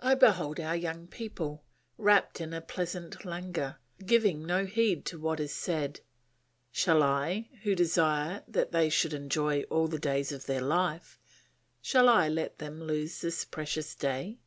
I behold our young people, wrapped in a pleasant languor, giving no heed to what is said. Shall I, who desire that they should enjoy all the days of their life, shall I let them lose this precious day?